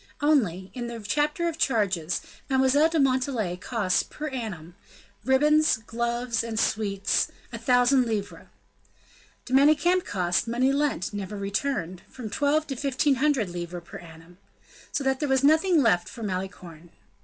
Only, in the chapter of charges, Mademoiselle de Montalais cost per annum: ribbons, gloves, and sweets, a thousand livres. De Manicamp cost money lent, never returned from twelve to fifteen hundred livres per annum. So that there was nothing left for Malicorne.